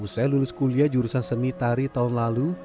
usai lulus kuliah jurusan seni tari tahun lalu